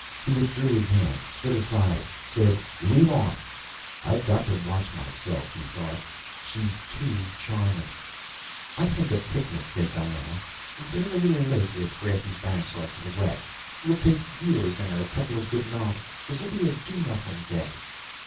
He withdrew his hand, stood aside, said: "Lead on." I've got to watch myself, he thought. She's too charming. "I think a picnic," said Diana. "There's a little lake with grassy banks off to the west. We'll take viewers and a couple of good novels. This'll be a do nothing day."